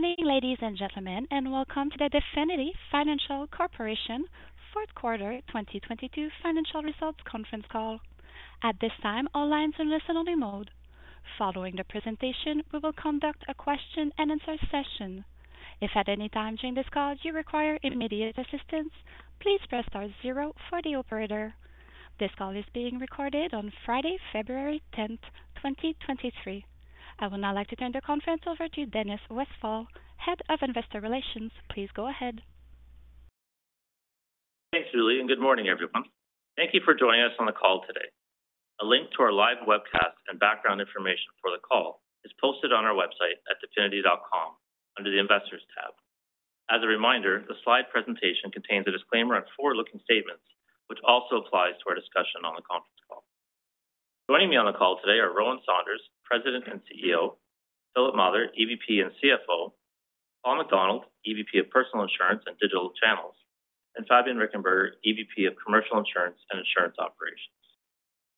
Good morning, ladies and gentlemen, and welcome to the Definity Financial Corporation Fourth Quarter 2022 Financial Results Conference Call. At this time, all lines in listen only mode. Following the presentation, we will conduct a question and answer session. If at any time during this call you require immediate assistance, please press star Zero for the operator. This call is being recorded on Friday, February 10, 2023. I would now like to turn the conference over to Dennis Westfall, Head of Investor Relations. Please go ahead. Thanks, Julie. Good morning, everyone. Thank you for joining us on the call today. A link to our live webcast and background information for the call is posted on our website at definity.com under the Investors tab. As a reminder, the slide presentation contains a disclaimer on forward-looking statements, which also applies to our discussion on the conference call. Joining me on the call today are Rowan Saunders, President and CEO, Philip Mather, EVP and CFO, Paul MacDonald, EVP of Personal Insurance and Digital Channels, and Fabian Richenberger, EVP of Commercial Insurance and Insurance Operations.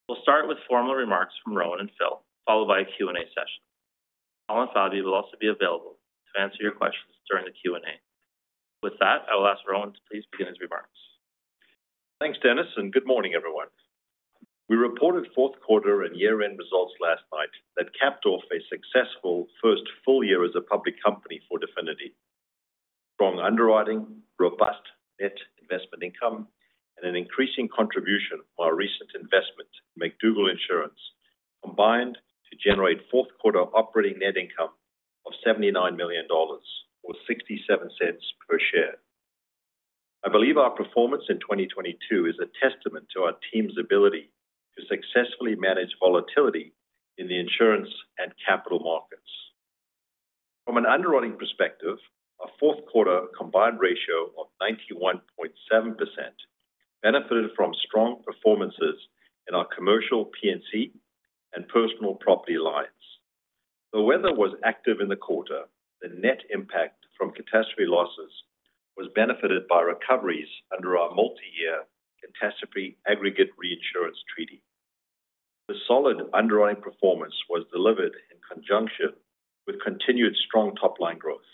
We'll start with formal remarks from Rowan and Phil, followed by a Q&A session. Paul and Fabi will also be available to answer your questions during the Q&A. With that, I will ask Rowan to please begin his remarks. Thanks, Dennis. Good morning, everyone. We reported fourth quarter and year-end results last night that capped off a successful first full year as a public company for Definity. Strong underwriting, robust net investment income, and an increasing contribution by our recent investment McDougall Insurance combined to generate fourth quarter operating net income of 79 million dollars, or 0.67 per share. I believe our performance in 2022 is a testament to our team's ability to successfully manage volatility in the insurance and capital markets. From an underwriting perspective, our fourth quarter combined ratio of 91.7% benefited from strong performances in our commercial P&C and personal property lines. The weather was active in the quarter. The net impact from catastrophe losses was benefited by recoveries under our multi-year catastrophe aggregate reinsurance treaty. The solid underwriting performance was delivered in conjunction with continued strong top-line growth.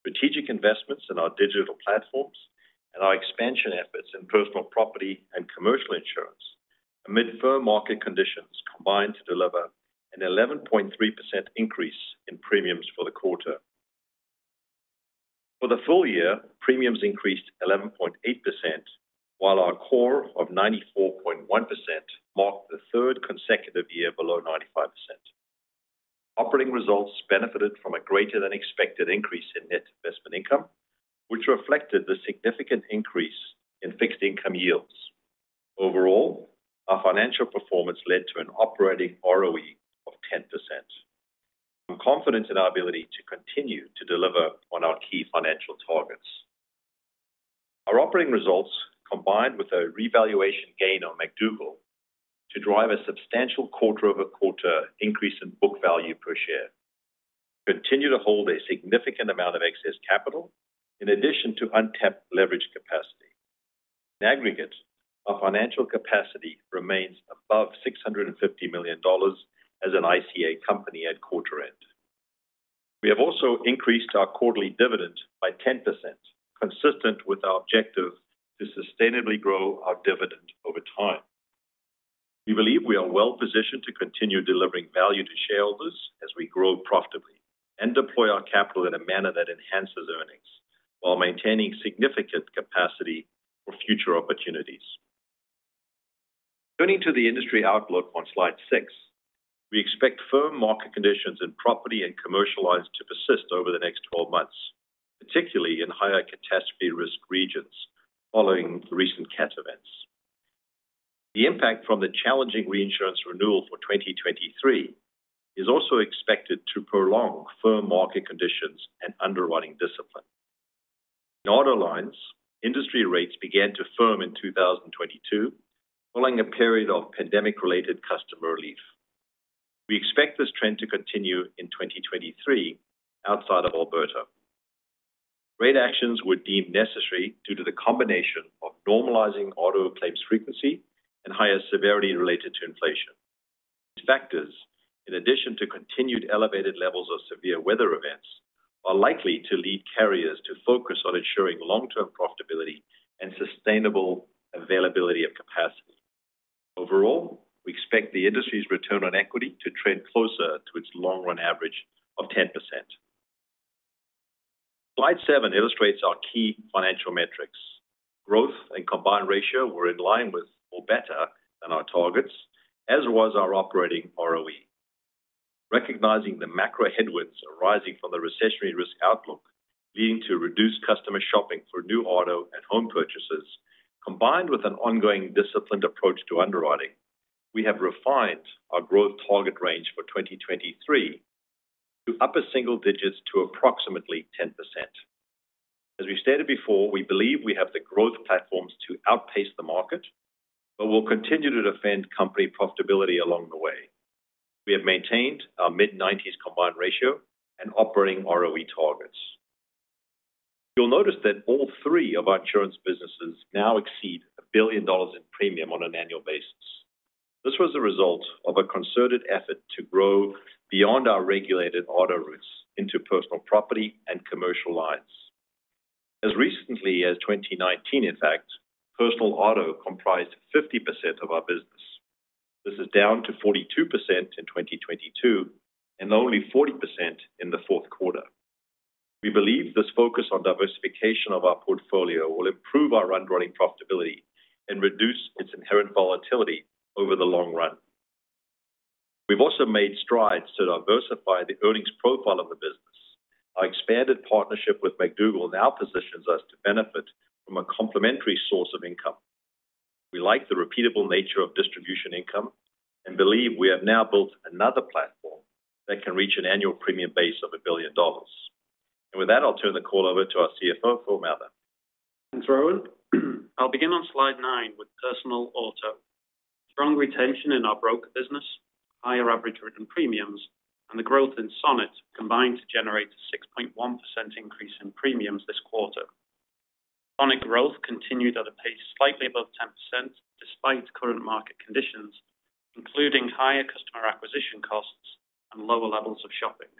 Strategic investments in our digital platforms and our expansion efforts in personal property and commercial insurance amid firm market conditions combined to deliver an 11.3% increase in premiums for the quarter. For the full year, premiums increased 11.8%, while our core of 94.1% marked the third consecutive year below 95%. Operating results benefited from a greater than expected increase in net investment income, which reflected the significant increase in fixed income yields. Overall, our financial performance led to an operating ROE of 10%. I'm confident in our ability to continue to deliver on our key financial targets. Our operating results combined with a revaluation gain on McDougall to drive a substantial quarter-over-quarter increase in book value per share continue to hold a significant amount of excess capital in addition to untapped leverage capacity. In aggregate, our financial capacity remains above 650 million dollars as an ICA company at quarter end. We have also increased our quarterly dividend by 10%, consistent with our objective to sustainably grow our dividend over time. We believe we are well-positioned to continue delivering value to shareholders as we grow profitably and deploy our capital in a manner that enhances earnings while maintaining significant capacity for future opportunities. Turning to the industry outlook on slide six, we expect firm market conditions in property and commercial lines to persist over the next 12 months, particularly in higher cat risk regions following the recent cat events. The impact from the challenging reinsurance renewal for 2023 is also expected to prolong firm market conditions and underwriting discipline. In auto lines, industry rates began to firm in 2022 following a period of pandemic-related customer relief. We expect this trend to continue in 2023 outside of Alberta. Rate actions were deemed necessary due to the combination of normalizing auto claims frequency and higher severity related to inflation. These factors, in addition to continued elevated levels of severe weather events, are likely to lead carriers to focus on ensuring long-term profitability and sustainable availability of capacity. Overall, we expect the industry's return on equity to trend closer to its long-run average of 10%. Slide seven illustrates our key financial metrics. Growth and combined ratio were in line with or better than our targets, as was our operating ROE. Recognizing the macro headwinds arising from the recessionary risk outlook, leading to reduced customer shopping for new auto and home purchases, combined with an ongoing disciplined approach to underwriting, we have refined our growth target range for 2023 to upper single digits to approximately 10%. As we've stated before, we believe we have the growth platforms to outpace the market, but we'll continue to defend company profitability along the way. We have maintained our mid-90s combined ratio and operating ROE targets. You'll notice that all three of our insurance businesses now exceed 1 billion dollars in premium on an annual basis. This was a result of a concerted effort to grow beyond our regulated auto routes into personal property and commercial lines. As recently as 2019, in fact, personal auto comprised 50% of our business. This is down to 42% in 2022 and only 40% in the fourth quarter. We believe this focus on diversification of our portfolio will improve our underwriting profitability and reduce its inherent volatility over the long run. We've also made strides to diversify the earnings profile of the business. Our expanded partnership with McDougall now positions us to benefit from a complementary source of income. We like the repeatable nature of distribution income and believe we have now built another platform that can reach an annual premium base of 1 billion dollars. With that, I'll turn the call over to our CFO, Philip Mather. Thanks, Rowan. I'll begin on slide nine with personal auto. Strong retention in our broker business, higher average written premiums, and the growth in Sonnet combined to generate a 6.1% increase in premiums this quarter. Sonnet growth continued at a pace slightly above 10% despite current market conditions, including higher customer acquisition costs and lower levels of shopping.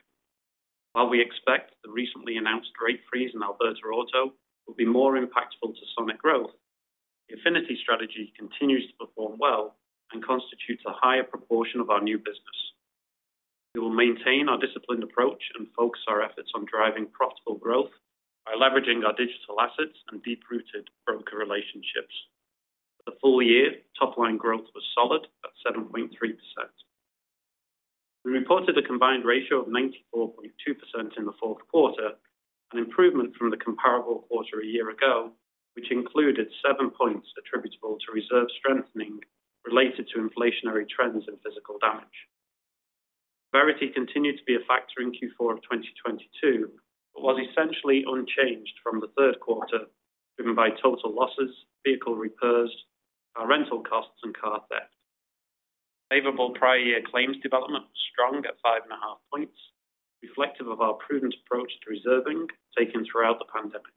While we expect the recently announced rate freeze in Alberta auto will be more impactful to Sonnet growth, the Affinity strategy continues to perform well and constitutes a higher proportion of our new business. We will maintain our disciplined approach and focus our efforts on driving profitable growth by leveraging our digital assets and deep-rooted broker relationships. For the full year, top line growth was solid at 7.3%. We reported a combined ratio of 94.2% in the fourth quarter, an improvement from the comparable quarter a year ago, which included seven points attributable to reserve strengthening related to inflationary trends in physical damage. Definity continued to be a factor in Q4 of 2022, but was essentially unchanged from the third quarter, driven by total losses, vehicle repairs, car rental costs, and car theft. Favorable prior year claims development was strong at 5.5 points, reflective of our prudent approach to reserving taken throughout the pandemic.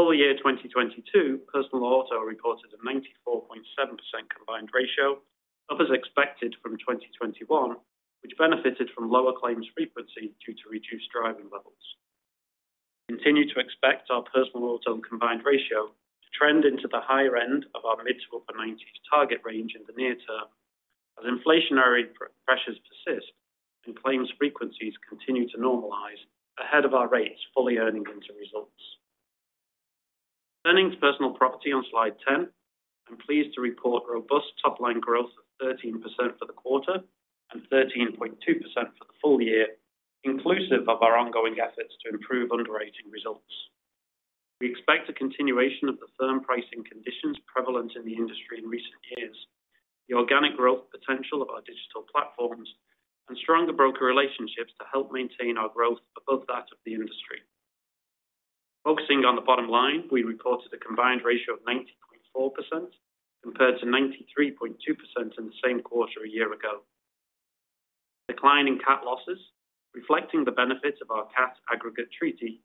Full year 2022, personal auto reported a 94.7% combined ratio, up as expected from 2021, which benefited from lower claims frequency due to reduced driving levels. Continue to expect our personal auto combined ratio to trend into the higher end of our mid to upper 90s target range in the near term as inflationary pressures persist and claims frequencies continue to normalize ahead of our rates fully earning into results. Turning to personal property on slide 10, I'm pleased to report robust top-line growth of 13% for the quarter and 13.2% for the full year, inclusive of our ongoing efforts to improve underwriting results. We expect a continuation of the firm pricing conditions prevalent in the industry in recent years, the organic growth potential of our digital platforms, and stronger broker relationships to help maintain our growth above that of the industry. Focusing on the bottom line, we reported a combined ratio of 90.4% compared to 93.2% in the same quarter a year ago. Decline in cat losses, reflecting the benefits of our cat aggregate treaty,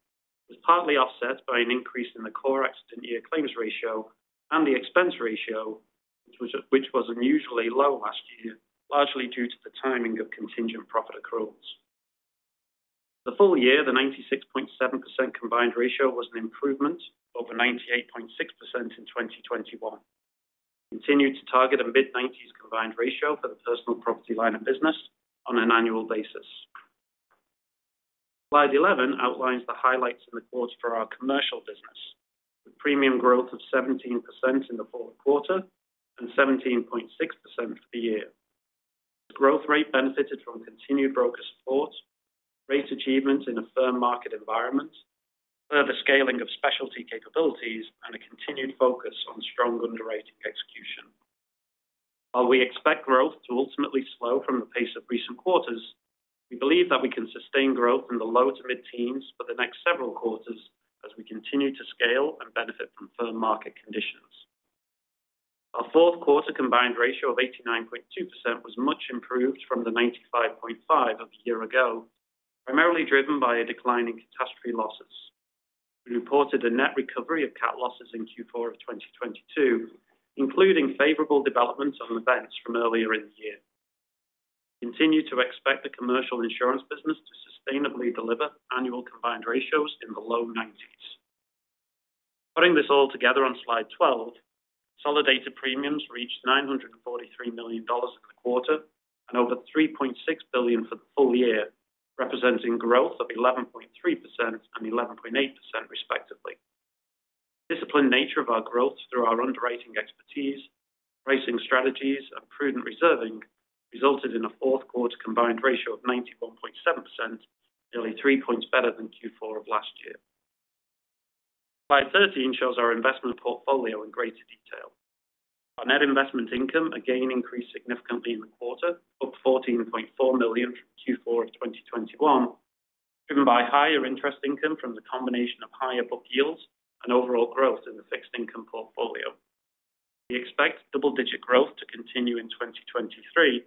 was partly offset by an increase in the core accident year claims ratio and the expense ratio, which was unusually low last year, largely due to the timing of contingent profit commissions. The full year, the 96.7% combined ratio was an improvement over 98.6% in 2021. Continued to target a mid-nineties combined ratio for the personal property line of business on an annual basis. Slide 11 outlines the highlights in the quarter for our commercial business. The premium growth of 17% in the fourth quarter and 17.6% for the year. The growth rate benefited from continued broker support, rate achievements in a firm market environment, further scaling of specialty capabilities, and a continued focus on strong underwriting execution. While we expect growth to ultimately slow from the pace of recent quarters, we believe that we can sustain growth in the low to mid-teens for the next several quarters as we continue to scale and benefit from firm market conditions. Our fourth quarter combined ratio of 89.2% was much improved from the 95.5% of a year ago, primarily driven by a decline in catastrophe losses. We reported a net recovery of cat losses in Q4 of 2022, including favorable developments on events from earlier in the year. Continue to expect the commercial insurance business to sustainably deliver annual combined ratios in the low 90s%. Putting this all together on Slide 12, consolidated premiums reached 943 million dollars in the quarter and over 3.6 billion for the full year, representing growth of 11.3% and 11.8% respectively. Disciplined nature of our growth through our underwriting expertise, pricing strategies and prudent reserving resulted in a fourth quarter combined ratio of 91.7%, nearly 3 points better than Q4 of last year. Slide 13 shows our investment portfolio in greater detail. Our net investment income again increased significantly in the quarter, up 14.4 million from Q4 of 2021, driven by higher interest income from the combination of higher book yields and overall growth in the fixed income portfolio. We expect double-digit growth to continue in 2023,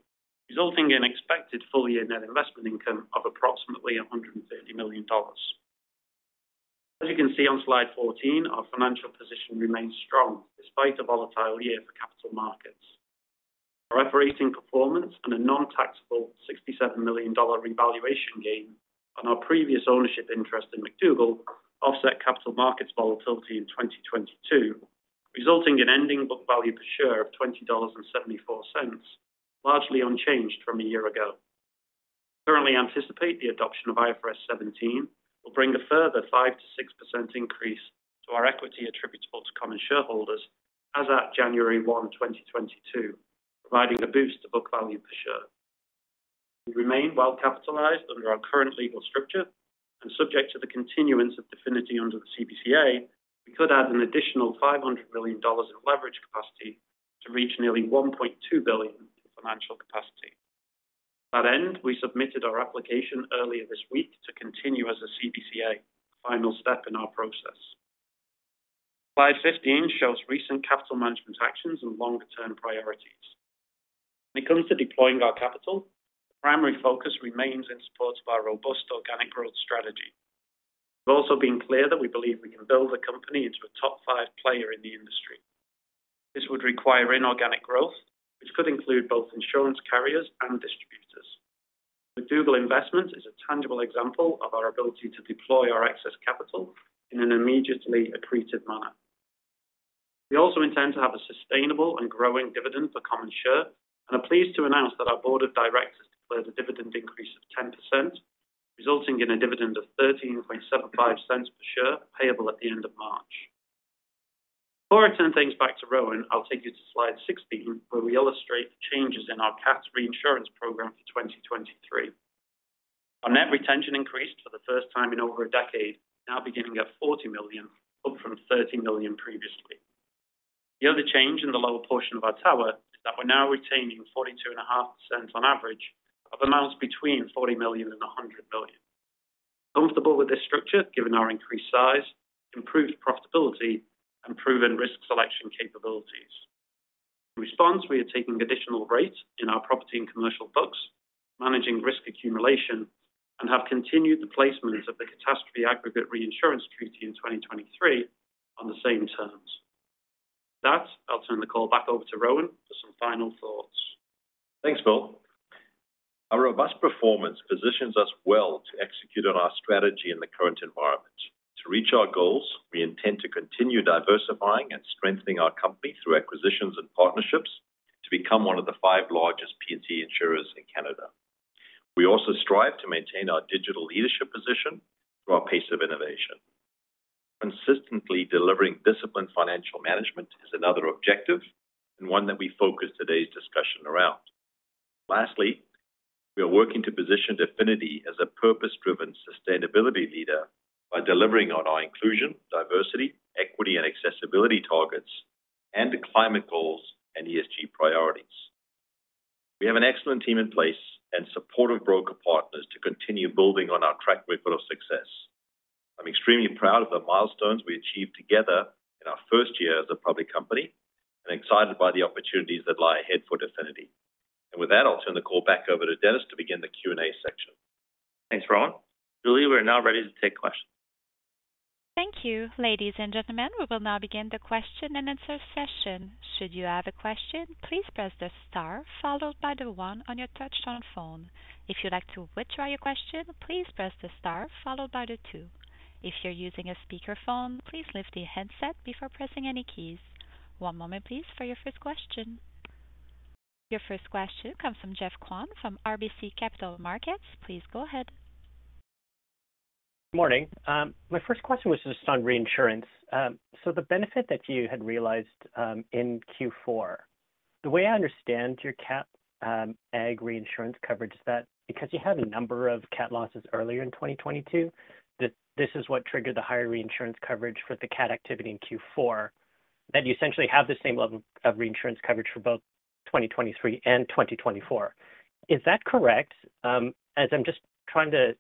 resulting in expected full-year net investment income of approximately 130 million dollars. As you can see on slide 14, our financial position remains strong despite a volatile year for capital markets. Our operating performance and a non-taxable 67 million dollar revaluation gain on our previous ownership interest in McDougall offset capital markets volatility in 2022, resulting in ending book value per share of 20.74 dollars, largely unchanged from a year ago. Currently anticipate the adoption of IFRS 17 will bring a further 5%-6% increase to our equity attributable to common shareholders as at January 1, 2022, providing a boost to book value per share. We remain well capitalized under our current legal structure and subject to the continuance of Definity under the CBCA. We could add an additional 500 million dollars in leverage capacity to reach nearly 1.2 billion in financial capacity. At end, we submitted our application earlier this week to continue as a CBCA, final step in our process. Slide 15 shows recent capital management actions and longer-term priorities. When it comes to deploying our capital, the primary focus remains in support of our robust organic growth strategy. We've also been clear that we believe we can build the company into a top five player in the industry. This would require inorganic growth, which could include both insurance carriers and distributors. McDougall investment is a tangible example of our ability to deploy our excess capital in an immediately accretive manner. We also intend to have a sustainable and growing dividend for common share and are pleased to announce that our board of directors declared a dividend increase of 10%, resulting in a dividend of 0.1375 per share, payable at the end of March. Before I turn things back to Rowan, I'll take you to slide 16, where we illustrate the changes in our cat's reinsurance program for 2023. Our net retention increased for the first time in over a decade, now beginning at $40 million, up from $30 million previously. The other change in the lower portion of our tower is that we're now retaining 42.5% on average of amounts between $40 million and $100 million. Comfortable with this structure, given our increased size, improved profitability, and proven risk selection capabilities. In response, we are taking additional rates in our property and commercial books, managing risk accumulation, and have continued the placement of the catastrophe aggregate reinsurance treaty in 2023 on the same terms. I'll turn the call back over to Rowan for some final thoughts. Thanks, Phil. Our robust performance positions us well to execute on our strategy in the current environment. To reach our goals, we intend to continue diversifying and strengthening our company through acquisitions and partnerships to become one of the five largest P&C insurers in Canada. We also strive to maintain our digital leadership position through our pace of innovation. Consistently delivering disciplined financial management is another objective and one that we focus today's discussion around. We are working to position Definity as a purpose-driven sustainability leader by delivering on our inclusion, diversity, equity, and accessibility targets and the climate goals and ESG priorities. We have an excellent team in place and supportive broker partners to continue building on our track record of success. I'm extremely proud of the milestones we achieved together in our first year as a public company and excited by the opportunities that lie ahead for Definity. With that, I'll turn the call back over to Dennis to begin the Q&A section. Thanks, Rowan. Julie, we're now ready to take questions. Thank you. Ladies and gentlemen, we will now begin the question and answer session. Should you have a question, please press the star followed by the one on your touch-tone phone. If you'd like to withdraw your question, please press the star followed by the two. If you're using a speakerphone, please lift the headset before pressing any keys. One moment, please, for your first question. Your first question comes from Geoffrey Kwan from RBC Capital Markets. Please go ahead. Morning. My first question was just on reinsurance. The benefit that you had realized in Q4. The way I understand your cat ag reinsurance coverage is that because you had a number of cat losses earlier in 2022, this is what triggered the higher reinsurance coverage for the cat activity in Q4, that you essentially have the same level of reinsurance coverage for both 2023 and 2024. Is that correct? As I'm just trying to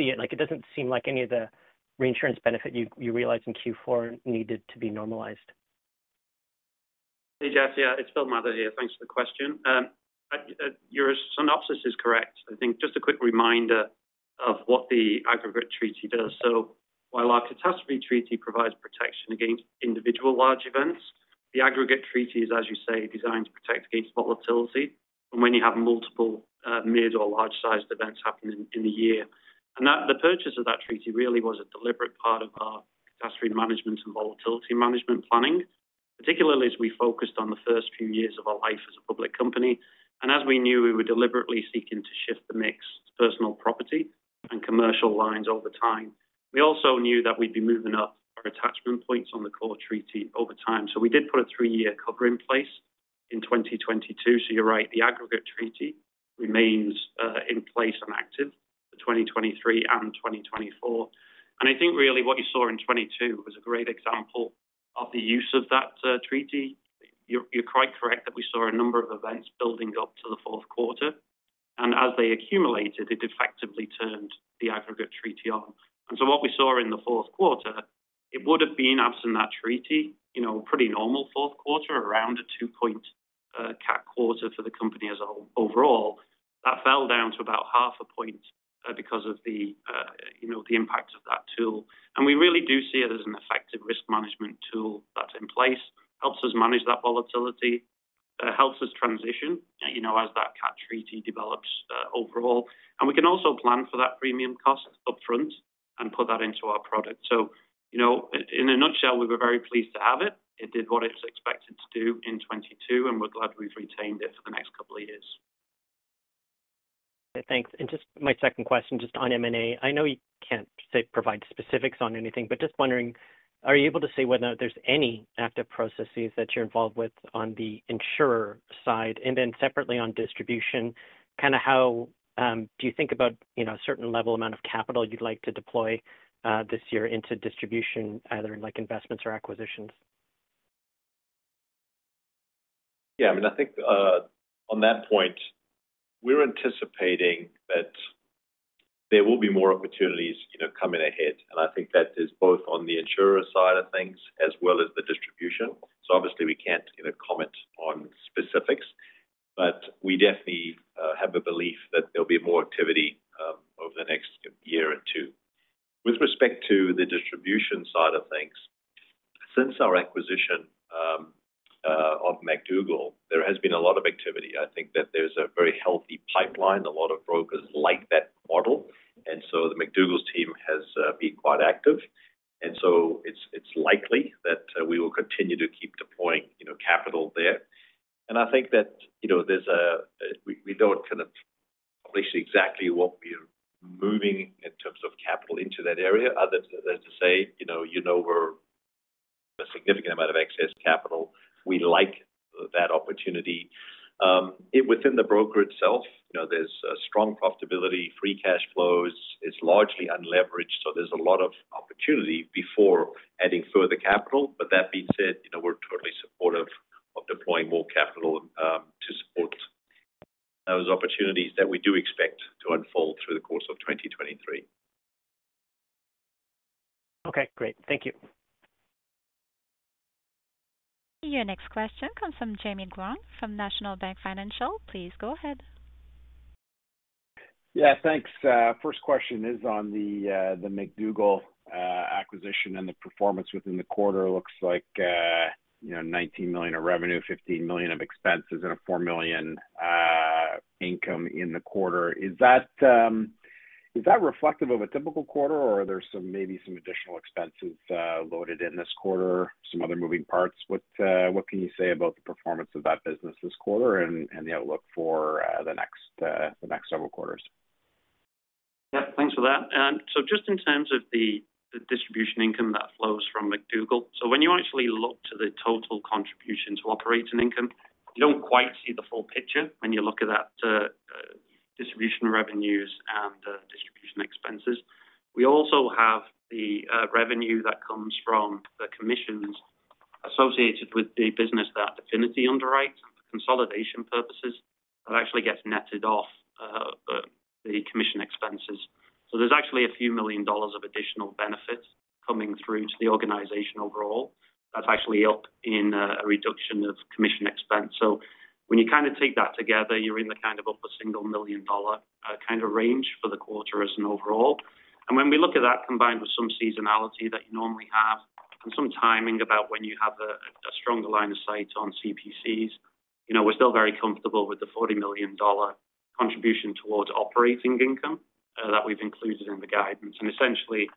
see it, like, it doesn't seem like any of the reinsurance benefit you realized in Q4 needed to be normalized. Hey, Jeff. Yeah, it's Phil Mather here. Thanks for the question. Your synopsis is correct. I think just a quick reminder of what the aggregate treaty does. While our catastrophe treaty provides protection against individual large events, the aggregate treaty is, as you say, designed to protect against volatility and when you have multiple mid or large-sized events happening in the year. The purchase of that treaty really was a deliberate part of our catastrophe management and volatility management planning, particularly as we focused on the first few years of our life as a public company. As we knew, we were deliberately seeking to shift the mix to personal property and commercial lines over time. We also knew that we'd be moving up our attachment points on the core treaty over time. We did put a three-year cover in place in 2022. You're right, the aggregate treaty remains in place and active for 2023 and 2024. I think really what you saw in 2022 was a great example of the use of that treaty. You're quite correct that we saw a number of events building up to the fourth quarter. As they accumulated, it effectively turned the aggregate treaty on. What we saw in the fourth quarter, it would have been absent that treaty, you know, pretty normal fourth quarter, around a two point CAT quarter for the company as a whole overall. That fell down to about half a point because of the, you know, the impact of that tool. We really do see it as an effective risk management tool that's in place. Helps us manage that volatility, helps us transition, you know, as that CAT treaty develops, overall. We can also plan for that premium cost upfront and put that into our product. You know, in a nutshell, we were very pleased to have it. It did what it was expected to do in 22, and we're glad we've retained it for the next couple of years. Thanks. Just my second question just on M&A. I know you can't say, provide specifics on anything, but just wondering, are you able to say whether there's any active processes that you're involved with on the insurer side? Separately on distribution, kind of how do you think about, you know, a certain level amount of capital you'd like to deploy this year into distribution, either in, like, investments or acquisitions? I mean, I think, on that point, we're anticipating that there will be more opportunities, you know, coming ahead. I think that is both on the insurer side of things as well as the distribution. Obviously, we can't, you know, comment on specifics, but we definitely have a belief that there'll be more activity over the next year or two. With respect to the distribution side of things, since our acquisition of McDougall, there has been a lot of activity. I think that there's a very healthy pipeline. A lot of brokers like that model, the McDougall's team has been quite active. It's likely that we will continue to keep deploying, you know, capital there. I think that, you know, there's a We don't kind of publish exactly what we're moving in terms of capital into that area other than to say, you know, we're a significant amount of excess capital. We like that opportunity. Within the broker itself, you know, there's a strong profitability, free cash flows. It's largely unleveraged, so there's a lot of opportunity before adding further capital. That being said, you know, we're totally supportive of deploying more capital, to support those opportunities that we do expect to unfold through the course of 2023. Okay, great. Thank you. Your next question comes from Jaeme Gloyn from National Bank Financial. Please go ahead. Yeah, thanks. First question is on the McDougall acquisition and the performance within the quarter. Looks like, you know, 19 million of revenue, 15 million of expenses, and a 4 million income in the quarter. Is that reflective of a typical quarter, or are there maybe some additional expenses loaded in this quarter, some other moving parts? What can you say about the performance of that business this quarter and the outlook for the next several quarters? Yeah, thanks for that. Just in terms of the distribution income that flows from McDougall. When you actually look to the total contribution to operating income, you don't quite see the full picture when you look at that, distribution revenues and the distribution expenses. We also have the revenue that comes from the commissions associated with the business that affinity underwrites for consolidation purposes. That actually gets netted off the commission expenses. There's actually a few million dollars of additional benefits coming through to the organization overall. That's actually up in a reduction of commission expense. When you kind of take that together, you're in the kind of up a single million dollar kind of range for the quarter as an overall. When we look at that combined with some seasonality that you normally have and some timing about when you have a stronger line of sight on CPCs, you know, we're still very comfortable with the 40 million dollar contribution towards operating income that we've included in the guidance. Essentially,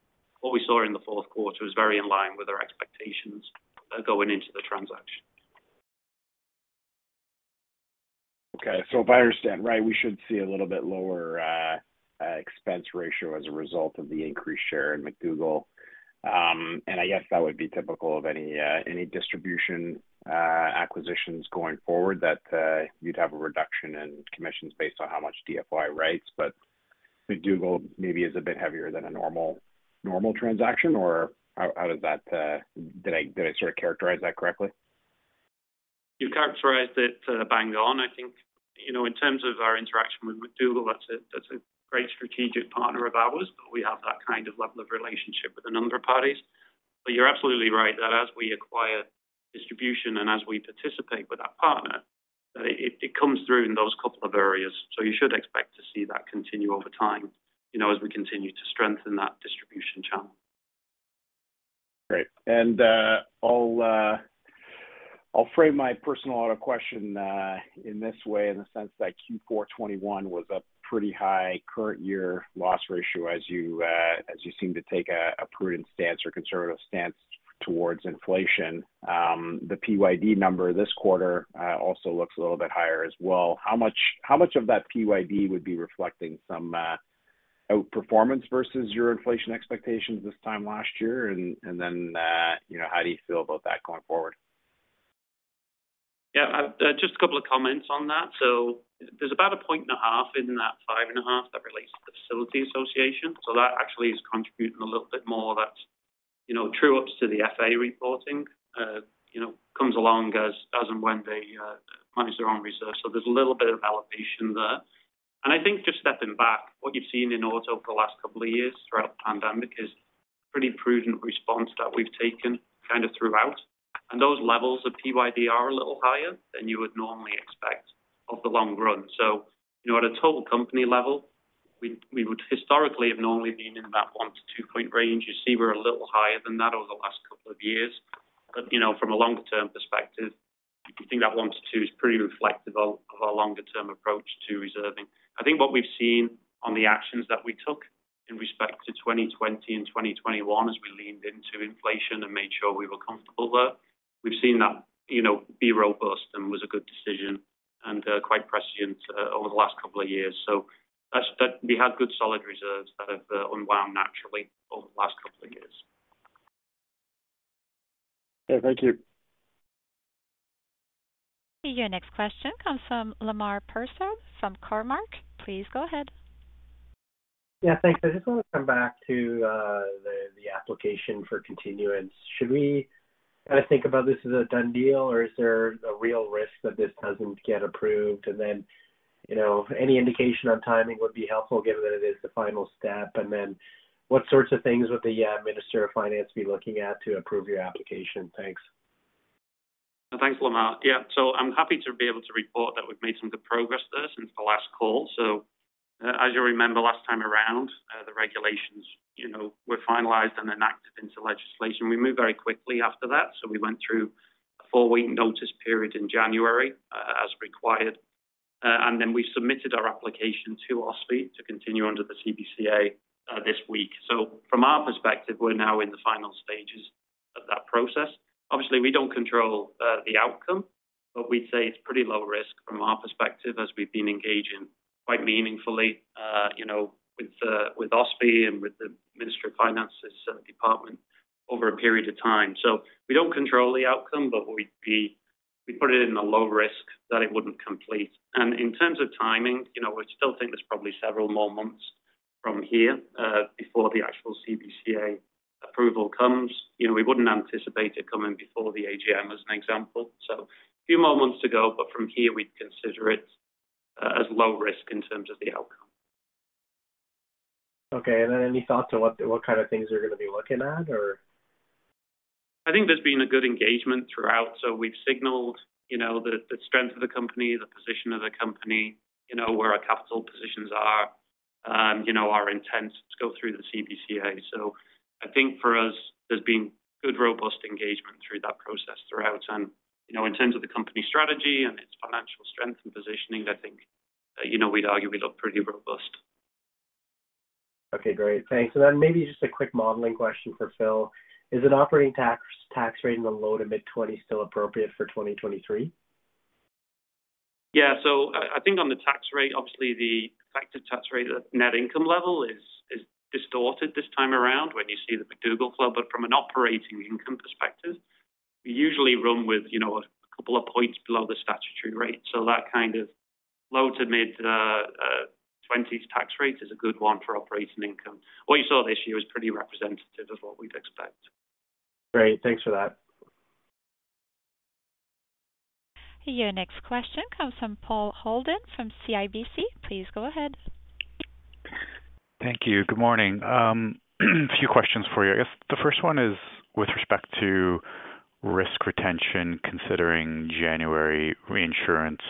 what we saw in the fourth quarter is very in line with our expectations going into the transaction. If I understand, right, we should see a little bit lower expense ratio as a result of the increased share in McDougall. I guess that would be typical of any distribution acquisitions going forward that you'd have a reduction in commissions based on how much DFI writes. McDougall maybe is a bit heavier than a normal transaction or how does that? Did I sort of characterize that correctly? You characterized it, bang on. I think, you know, in terms of our interaction with McDougall, that's a great strategic partner of ours, but we have that kind of level of relationship with a number of parties. You're absolutely right that as we acquire distribution and as we participate with that partner, it comes through in those couple of areas. You should expect to see that continue over time, you know, as we continue to strengthen that distribution channel. Great. I'll frame my personal auto question in this way in the sense that Q4 2021 was a pretty high current year loss ratio as you seem to take a prudent stance or conservative stance towards inflation. The PYD number this quarter also looks a little bit higher as well. How much of that PYD would be reflecting some outperformance versus your inflation expectations this time last year? You know, how do you feel about that going forward? Just a couple of comments on that. There's about 1.5 points in that 5.5 that relates to the Facility Association. That actually is contributing a little bit more of thatYou know, true ups to the FA reporting, you know, comes along as and when they, manage their own reserve. There's a little bit of elevation there. I think just stepping back, what you've seen in auto for the last couple of years throughout the pandemic is pretty prudent response that we've taken kind of throughout. Those levels of PYD are a little higher than you would normally expect of the long run. You know, at a total company level, we would historically have normally been in about one one-two point range. You see we're a little higher than that over the last couple of years. You know, from a longer term perspective, we think that one to two is pretty reflective of our longer term approach to reserving. I think what we've seen on the actions that we took in respect to 2020 and 2021 as we leaned into inflation and made sure we were comfortable there. We've seen that, you know, be robust and was a good decision and quite prescient over the last couple of years. We had good solid reserves that have unwound naturally over the last couple of years. Yeah. Thank you. Your next question comes from Lamar Person from Cormark. Please go ahead. Yeah. Thanks. I just wanna come back to, the application for continuance. Should we kinda think about this as a done deal, or is there a real risk that this doesn't get approved? You know, any indication on timing would be helpful given that it is the final step. What sorts of things would the minister of finance be looking at to approve your application? Thanks. Thanks, Lamar. I'm happy to be able to report that we've made some good progress there since the last call. As you remember last time around, the regulations, you know, were finalized and enacted into legislation. We moved very quickly after that. We went through a four-week notice period in January, as required. We submitted our application to OSFI to continue under the CBCA this week. From our perspective, we're now in the final stages of that process. Obviously, we don't control the outcome, but we'd say it's pretty low risk from our perspective as we've been engaging quite meaningfully, you know, with OSFI and with the Department of Finance over a period of time. We don't control the outcome, but we put it in a low risk that it wouldn't complete. In terms of timing, you know, we still think there's probably several more months from here before the actual CBCA approval comes. You know, we wouldn't anticipate it coming before the AGM as an example. A few more months to go, but from here, we'd consider it as low risk in terms of the outcome. Okay. Then any thought to what kind of things they're gonna be looking at or? I think there's been a good engagement throughout. We've signaled, you know, the strength of the company, the position of the company, you know, where our capital positions are, you know, our intent to go through the CBCA. I think for us, there's been good robust engagement through that process throughout. In terms of the company strategy and its financial strength and positioning, I think, you know, we'd argue we look pretty robust. Okay. Great. Thanks. Maybe just a quick modeling question for Phil. Is an operating tax rate in the low to mid-twenties still appropriate for 2023? I think on the tax rate, obviously the effective tax rate at net income level is distorted this time around when you see the McDougall flow. From an operating income perspective, we usually run with, you know, a couple of points below the statutory rate. That kind of low to mid 20s tax rate is a good one for operating income. What you saw this year is pretty representative of what we'd expect. Great. Thanks for that. Your next question comes from Paul Holden from CIBC. Please go ahead. Thank you. Good morning. A few questions for you. I guess the first one is with respect to risk retention considering January reinsurance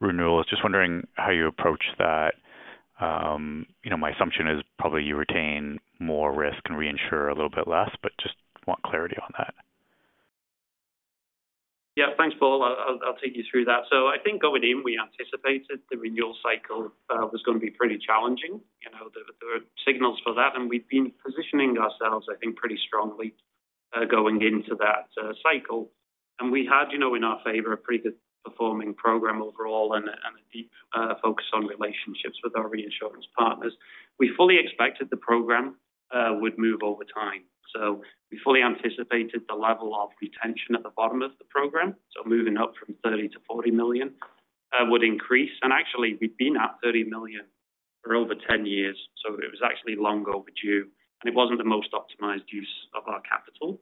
renewal. Just wondering how you approach that. You know, my assumption is probably you retain more risk and reinsure a little bit less, but just want clarity on that. Yeah. Thanks, Paul. I'll take you through that. I think going in, we anticipated the renewal cycle was gonna be pretty challenging. You know, there were signals for that, and we've been positioning ourselves, I think, pretty strongly going into that cycle. We had, you know, in our favor a pretty good performing program overall and a deep focus on relationships with our reinsurance partners. We fully expected the program would move over time. We fully anticipated the level of retention at the bottom of the program. Moving up from 30 million to 40 million would increase. Actually, we've been at 30 million for over 10 years, so it was actually long overdue, and it wasn't the most optimized use of our capital.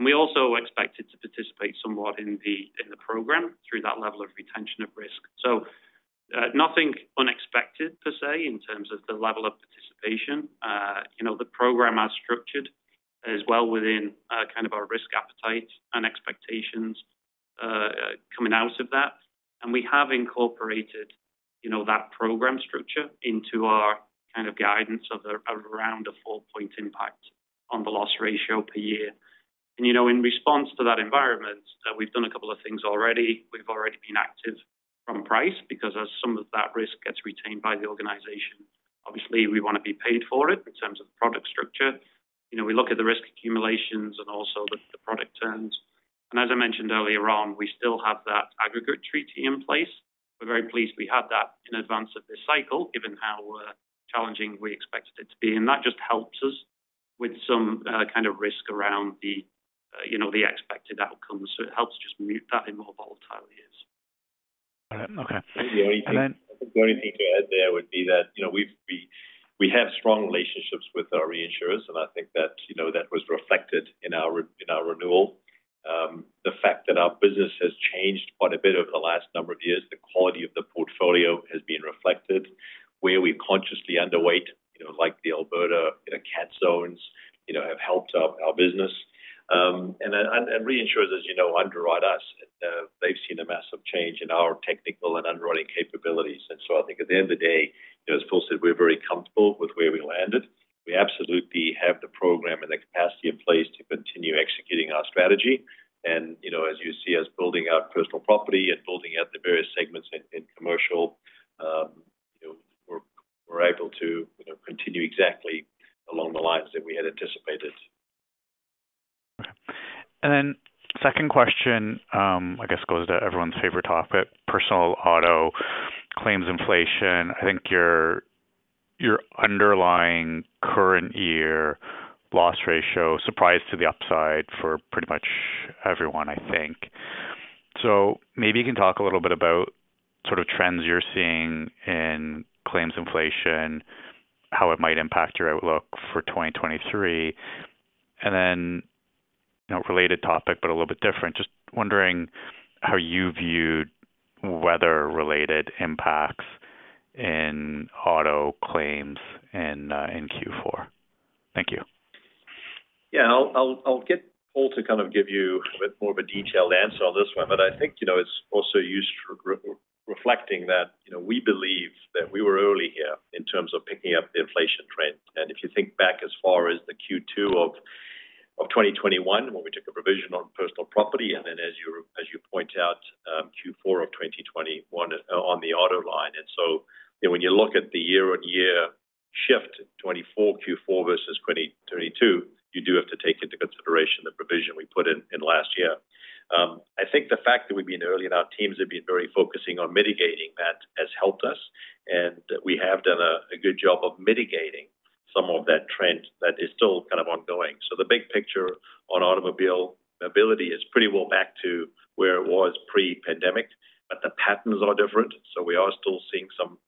We also expected to participate somewhat in the program through that level of retention of risk. Nothing unexpected per se in terms of the level of participation. You know, the program as structured is well within kind of our risk appetite and expectations coming out of that. We have incorporated, you know, that program structure into our kind of guidance of around a four-point impact on the loss ratio per year. You know, in response to that environment, we've done a couple of things already. We've already been active from price because as some of that risk gets retained by the organization, obviously we wanna be paid for it in terms of product structure. You know, we look at the risk accumulations and also the product terms. As I mentioned earlier on, we still have that aggregate treaty in place. We're very pleased we had that in advance of this cycle, given how challenging we expected it to be. That just helps us with some kind of risk around the, you know, the expected outcomes. It helps just mute that involvement- Okay. The only thing to add there would be that, you know, we have strong relationships with our reinsurers, and I think that, you know, that was reflected in our, in our renewal. The fact that our business has changed quite a bit over the last number of years, the quality of the portfolio has been reflected where we consciously underweight, you know, like the Alberta cat zones, you know, have helped our business. And reinsurers, you know, underwrite us. They've seen a massive change in our technical and underwriting capabilities. I think at the end of the day, you know, as Paul said, we're very comfortable with where we landed. We absolutely have the program and the capacity in place to continue executing our strategy. you know, as you see us building out personal property and building out the various segments in commercial, you know, we're able to, you know, continue exactly along the lines that we had anticipated. Okay. Second question, I guess goes to everyone's favorite topic, personal auto claims inflation. I think your underlying current year loss ratio surprise to the upside for pretty much everyone, I think. Maybe you can talk a little bit about sort of trends you're seeing in claims inflation, how it might impact your outlook for 2023. You know, related topic, but a little bit different. Just wondering how you viewed weather-related impacts in auto claims in Q4. Thank you. Yeah. I'll get Paul to kind of give you a bit more of a detailed answer on this one. I think, you know, it's also used for re-reflecting that, you know, we believe that we were early here in terms of picking up the inflation trend. If you think back as far as the Q2 of 2021 when we took a provision on personal property and then as you point out, Q4 of 2021 on the auto line. So, you know, when you look at the year-on-year shift, 24 Q4 versus 2022, you do have to take into consideration the provision we put in last year. I think the fact that we've been early and our teams have been very focusing on mitigating that has helped us. We have done a good job of mitigating some of that trend that is still kind of ongoing. The big picture on automobile mobility is pretty well back to where it was pre-pandemic. The patterns are different. We are still seeing some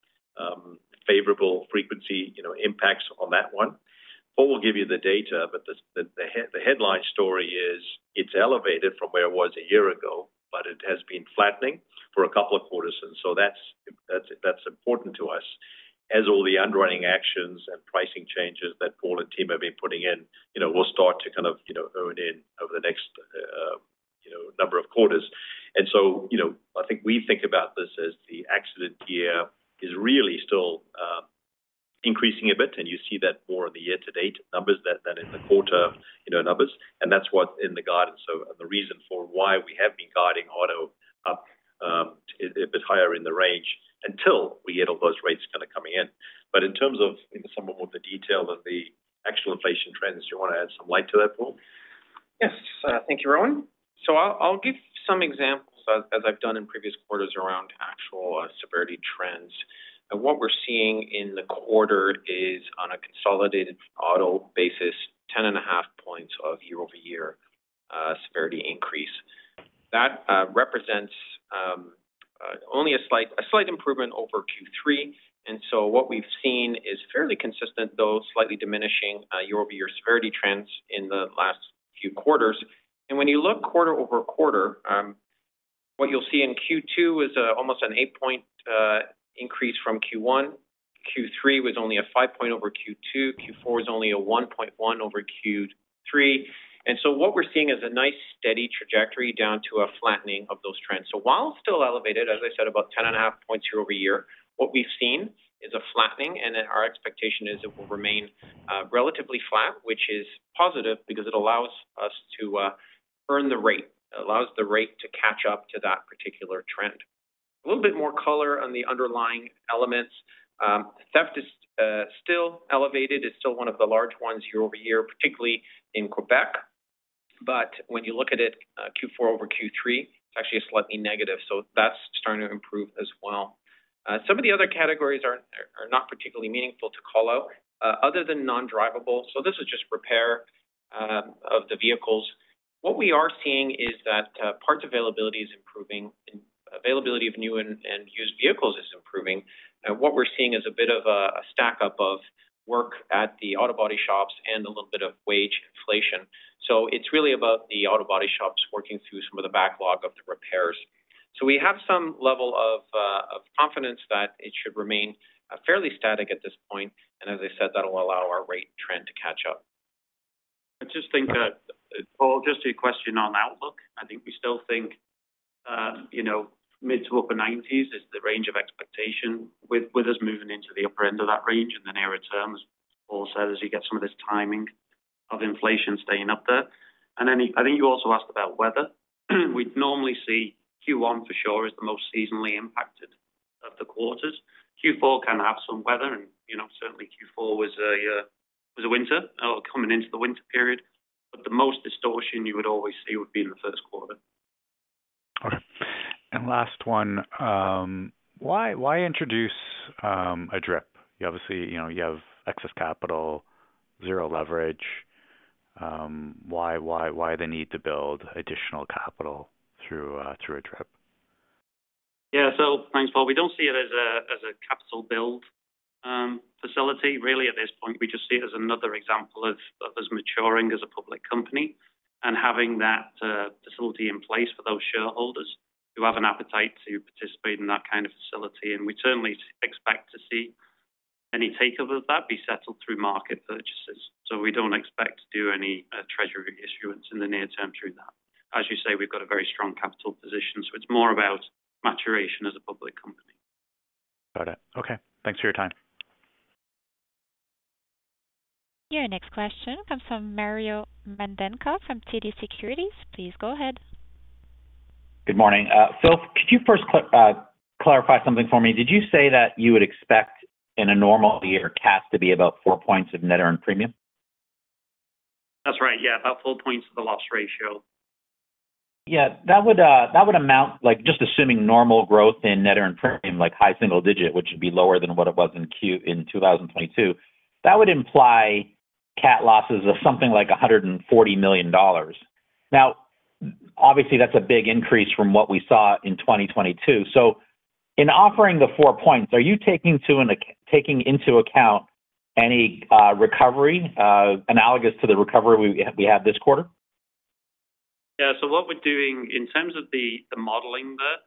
favorable frequency, you know, impacts on that one. Paul will give you the data. The headline story is it's elevated from where it was a year ago, but it has been flattening for a couple of quarters. That's important to us as all the underwriting actions and pricing changes that Paul and team have been putting in, you know, will start to kind of, you know, earn in over the next, you know, number of quarters. You know, I think we think about this as the accident year is really still, increasing a bit, and you see that more in the year-to-date numbers than in the quarter, you know, numbers. That's what's in the guidance. The reason for why we have been guiding auto up, a bit higher in the range until we get all those rates kind of coming in. In terms of, you know, some more of the detail of the actual inflation trends, do you want to add some light to that, Paul? Yes. Thank you, Rowan. I'll give some examples as I've done in previous quarters around actual severity trends. What we're seeing in the quarter is on a consolidated auto basis, 10.5 points of year-over-year severity increase. That represents only a slight improvement over Q3. What we've seen is fairly consistent, though slightly diminishing, year-over-year severity trends in the last few quarters. When you look quarter-over-quarter, what you'll see in Q2 is almost an eight point increase from Q1. Q3 was only a 5 point over Q2. Q4 is only a 1.1 over Q3. What we're seeing is a nice steady trajectory down to a flattening of those trends. While still elevated, as I said, about 10.5 points year-over-year, what we've seen is a flattening. Our expectation is it will remain relatively flat, which is positive because it allows us to earn the rate. It allows the rate to catch up to that particular trend. A little bit more color on the underlying elements. Theft is still elevated. It's still one of the large ones year-over-year, particularly in Quebec. When you look at it, Q4 over Q3, it's actually slightly negative, that's starting to improve as well. Some of the other categories are not particularly meaningful to call out other than non-drivable. This is just repair of the vehicles. What we are seeing is that parts availability is improving. Availability of new and used vehicles is improving. What we're seeing is a bit of a stack-up of work at the auto body shops and a little bit of wage inflation. It's really about the auto body shops working through some of the backlog of the repairs. We have some level of confidence that it should remain fairly static at this point. As I said, that'll allow our rate trend to catch up. I just think that Paul, just a question on outlook. I think we still think, you know, mid to upper nineties is the range of expectation with us moving into the upper end of that range in the nearer term, as Paul said, as you get some of this timing of inflation staying up there. I think you also asked about weather. We'd normally see Q1 for sure is the most seasonally impacted of the quarters. Q4 can have some weather and, you know, certainly Q4 was a winter or coming into the winter period. The most distortion you would always see would be in the first quarter. Okay. Last one. Why introduce a DRIP? You obviously, you know, you have excess capital, zero leverage. Why they need to build additional capital through a DRIP? Yeah. Thanks, Paul. We don't see it as a, as a capital build facility really at this point. We just see it as another example of us maturing as a public company and having that facility in place for those shareholders who have an appetite to participate in that kind of facility. We certainly expect to see any take up of that be settled through market purchases. We don't expect to do any treasury issuance in the near term through that. As you say, we've got a very strong capital position, so it's more about maturation as a public company. Got it. Okay. Thanks for your time. Your next question comes from Mario Mendonca from TD Securities. Please go ahead. Good morning. Phil, could you first clarify something for me? Did you say that you would expect in a normal year CAT to be about four points of net earned premium? That's right, yeah. About four points of the loss ratio. Yeah. That would amount like just assuming normal growth in net earned premium, like high single digit, which would be lower than what it was in 2022. That would imply CAT losses of something like 140 million dollars. Now, obviously that's a big increase from what we saw in 2022. In offering the four points, are you taking into account any recovery analogous to the recovery we had this quarter? Yeah. What we're doing in terms of the modeling there,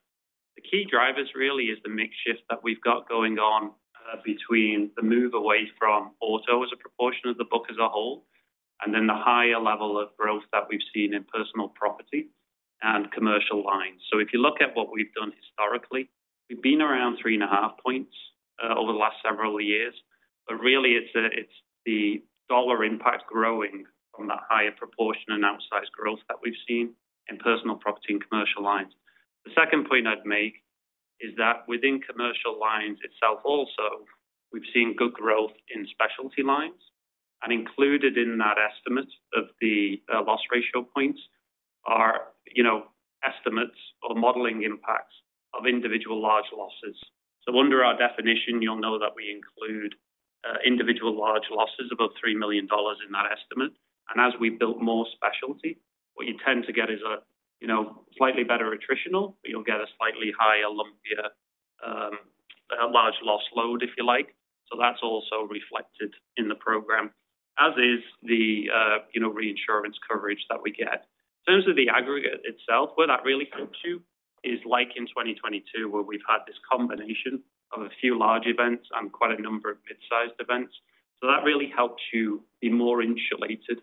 the key drivers really is the mix shift that we've got going on, between the move away from auto as a proportion of the book as a whole, and then the higher level of growth that we've seen in personal property and commercial lines. If you look at what we've done historically, we've been around 3.5 points over the last several years. Really it's the CAD impact growing from that higher proportion and outsized growth that we've seen in personal property and commercial lines. The second point I'd make is that within commercial lines itself also, we've seen good growth in specialty lines. Included in that estimate of the loss ratio points are, you know, estimates or modeling impacts of individual large losses. Under our definition, you'll know that we include individual large losses above 3 million dollars in that estimate. As we build more specialty, what you tend to get is a, you know, slightly better attritional, but you'll get a slightly higher lumpier large loss load, if you like. That's also reflected in the program, as is the, you know, reinsurance coverage that we get. In terms of the aggregate itself, where that really helps you is like in 2022, where we've had this combination of a few large events and quite a number of mid-sized events. That really helps you be more insulated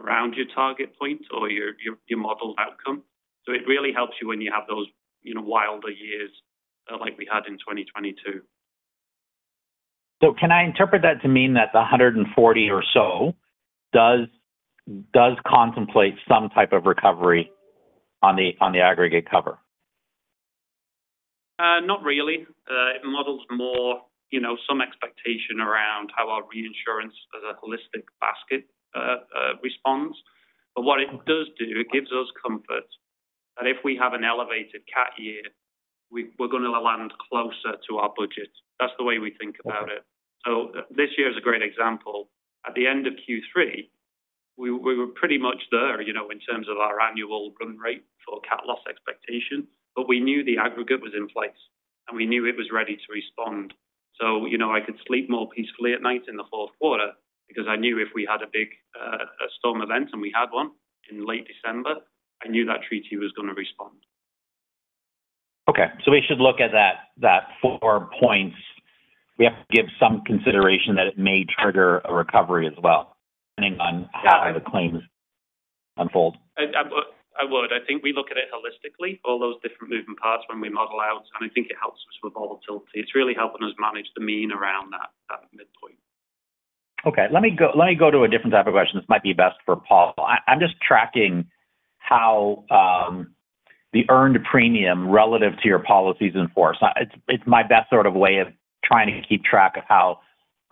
around your target point or your model outcome. It really helps you when you have those, you know, wilder years, like we had in 2022. Can I interpret that to mean that the 140 or so does contemplate some type of recovery on the aggregate cover? Not really. It models more, you know, some expectation around how our reinsurance as a holistic basket responds. What it does do, it gives us comfort that if we have an elevated CAT year, we're gonna land closer to our budget. That's the way we think about it. This year is a great example. At the end of Q3, we were pretty much there, you know, in terms of our annual run rate for CAT loss expectation, but we knew the aggregate was in place, and we knew it was ready to respond. You know, I could sleep more peacefully at night in the fourth quarter because I knew if we had a big storm event, and we had one in late December, I knew that treaty was gonna respond. We should look at that four points. We have to give some consideration that it may trigger a recovery as well, depending on how the claims unfold. I would. I think we look at it holistically, all those different moving parts when we model out, and I think it helps us with volatility. It's really helping us manage the mean around that midpoint. Okay. Let me go to a different type of question. This might be best for Paul. I'm just tracking how the earned premium relative to your policies in force. It's my best sort of way of trying to keep track of how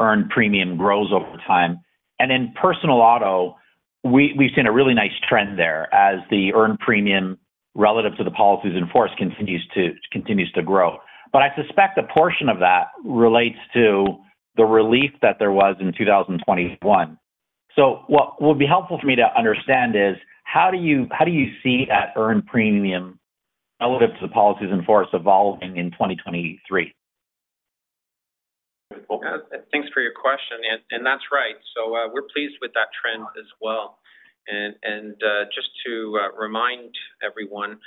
earned premium grows over time. In personal auto, we've seen a really nice trend there as the earned premium relative to the policies in force continues to grow. I suspect a portion of that relates to the relief that there was in 2021. What would be helpful for me to understand is how do you see that earned premium relative to the policies in force evolving in 2023? Thanks for your question. That's right. We're pleased with that trend as well. Just to remind everyone,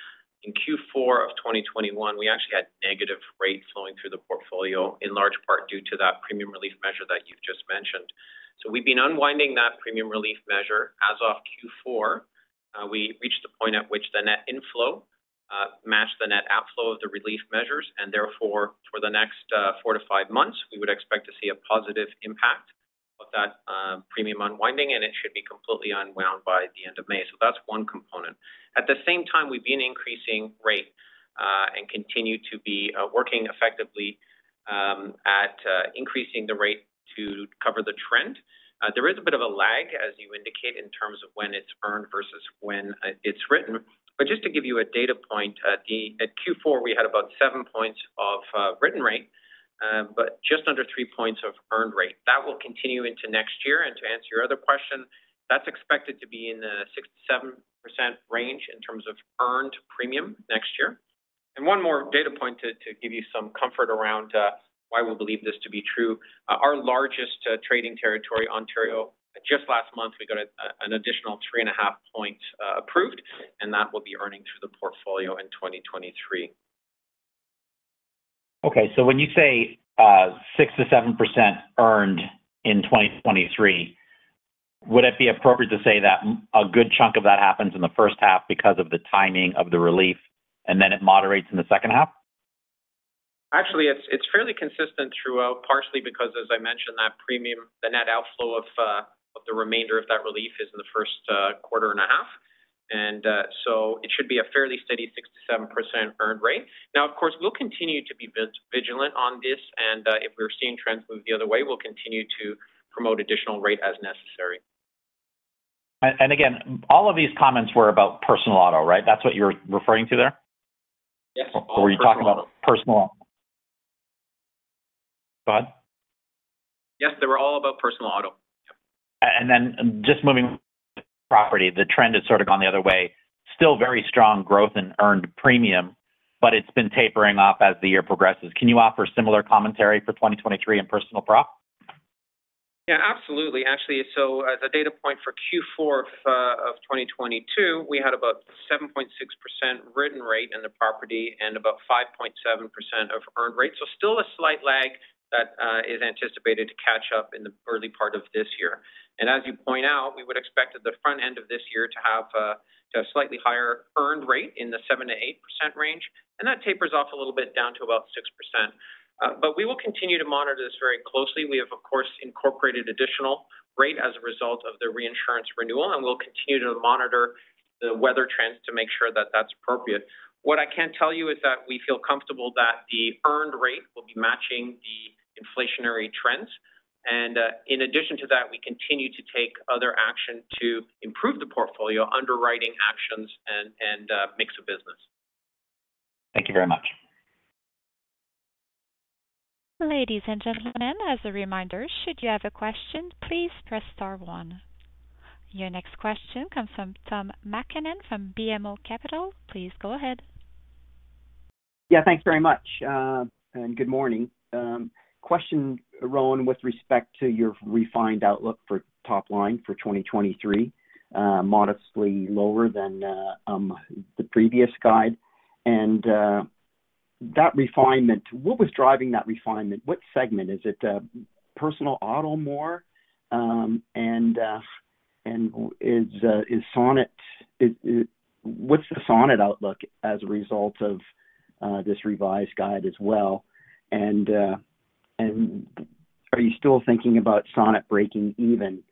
in Q4 of 2021, we actually had negative rates flowing through the portfolio, in large part due to that premium relief measure that you've just mentioned. We've been unwinding that premium relief measure as of Q4. We reached a point at which the net inflow matched the net outflow of the relief measures, and therefore, for the next four to five months, we would expect to see a positive impact of that premium unwinding, and it should be completely unwound by the end of May. That's one component. At the same time, we've been increasing rate and continue to be working effectively at increasing the rate to cover the trend. There is a bit of a lag, as you indicate, in terms of when it's earned versus when it's written. Just to give you a data point, at Q4 we had about seven points of written rate, but just under three points of earned rate. That will continue into next year. To answer your other question, that's expected to be in the 6%-7% range in terms of earned premium next year. One more data point to give you some comfort around why we believe this to be true. Our largest trading territory, Ontario, just last month we got an additional 3.5 points approved, and that will be earning through the portfolio in 2023. When you say, 6%-7% earned in 2023, would it be appropriate to say that a good chunk of that happens in the first half because of the timing of the relief, and then it moderates in the second half? Actually, it's fairly consistent throughout, partially because as I mentioned, that premium, the net outflow of the remainder of that relief is in the first quarter and a half. So it should be a fairly steady 6% to 7% earned rate. Of course, we'll continue to be vigilant on this. If we're seeing trends move the other way, we'll continue to promote additional rate as necessary. All of these comments were about personal auto, right? That's what you're referring to there? Yes. Were you talking about personal? Go ahead. Yes, they were all about personal auto. Just moving property, the trend has sort of gone the other way, still very strong growth in earned premium, but it's been tapering off as the year progresses. Can you offer similar commentary for 2023 in personal prop? Yeah, absolutely. Actually, as a data point for Q4 of 2022, we had about 7.6% written rate in the property and about 5.7% of earned rate. Still a slight lag that is anticipated to catch up in the early part of this year. As you point out, we would expect at the front end of this year to have slightly higher earned rate in the 7%-8% range, and that tapers off a little bit down to about 6%. We will continue to monitor this very closely. We have, of course, incorporated additional rate as a result of the reinsurance renewal, and we'll continue to monitor the weather trends to make sure that that's appropriate. What I can tell you is that we feel comfortable that the earned rate will be matching the inflationary trends. In addition to that, we continue to take other action to improve the portfolio underwriting actions and mix of business. Thank you very much. Ladies and gentlemen, as a reminder, should you have a question, please press star one. Your next question comes from Tom MacKinnon from BMO Capital. Please go ahead. Yeah, thanks very much, and good morning. Question, Rowan, with respect to your refined outlook for top line for 2023, modestly lower than the previous guide and that refinement. What was driving that refinement? What segment? Is it personal auto more? What's the Sonnet outlook as a result of this revised guide as well? Are you still thinking about Sonnet breaking even?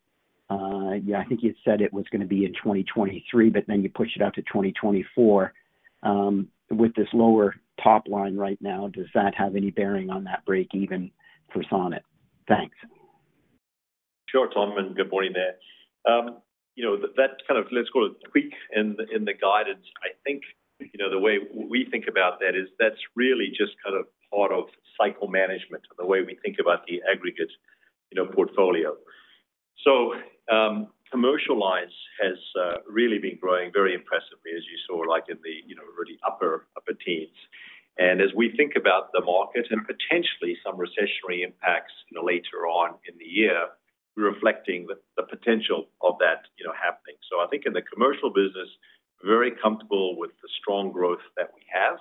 Yeah, I think you said it was gonna be in 2023, but then you pushed it out to 2024, with this lower top line right now. Does that have any bearing on that break even for Sonnet? Thanks. Sure, Tom, and good morning there. You know, that kind of let's call it tweak in the guidance, I think, you know, the way we think about that is that's really just kind of part of cycle management and the way we think about the aggregate, you know, portfolio. Commercial lines has really been growing very impressively, as you saw, like in the, you know, really upper teens. As we think about the market and potentially some recessionary impacts, you know, later on in the year, reflecting the potential of that, you know, happening. I think in the commercial business, very comfortable with the strong growth that we have,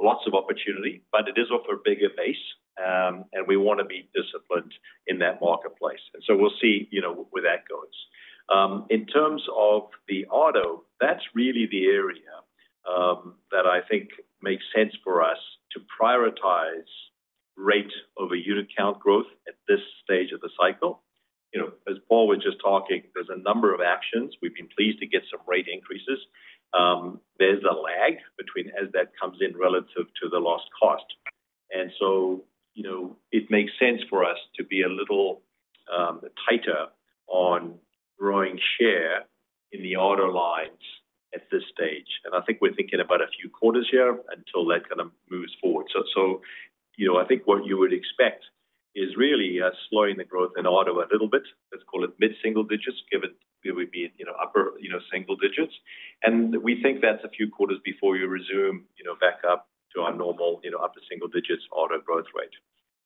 lots of opportunity, but it is off a bigger base, and we wanna be disciplined in that marketplace. We'll see, you know, where that goes. In terms of the auto, that's really the area that I think makes sense for us to prioritize rate over unit count growth at this stage of the cycle. As Paul was just talking, there's a number of actions. We've been pleased to get some rate increases. There's a lag between as that comes in relative to the lost cost. It makes sense for us to be a little tighter on growing share in the auto lines at this stage. I think we're thinking about a few quarters here until that kind of moves forward. I think what you would expect is really us slowing the growth in auto a little bit. Let's call it mid-single digits, given we would be in upper single digits. We think that's a few quarters before you resume, you know, back up to our normal, you know, upper single digits auto growth rate.